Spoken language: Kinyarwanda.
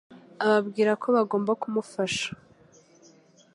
ababwira ko bagomba kumufasha